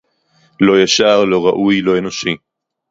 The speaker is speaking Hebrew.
לא ישר, לא ראוי, לא אנושי